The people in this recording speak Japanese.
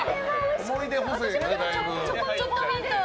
思い出補正が。